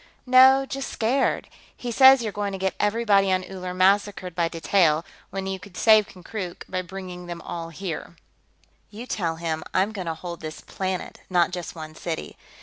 "No, just scared. He says you're going to get everybody on Uller massacred by detail, when you could save Konkrook by bringing them all here." "You tell him I'm going to hold this planet, not just one city.